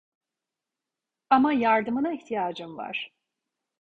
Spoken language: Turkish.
Ama yardımına ihtiyacım var.